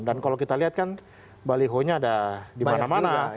dan kalau kita lihat kan baliho nya ada di mana mana